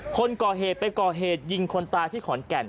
คนก่อเหตุไปก่อเหตุยิงคนตายที่ขอนแก่น